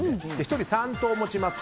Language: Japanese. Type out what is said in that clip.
１人３投持ちます。